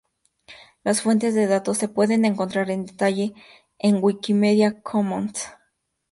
Las fuentes de datos se pueden encontrar en detalle en Wikimedia Commons.